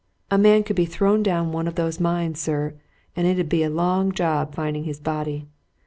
A man could be thrown down one of those mines, sir, and it 'ud be a long job finding his body!